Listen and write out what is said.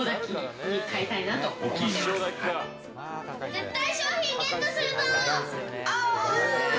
絶対商品ゲットするぞ！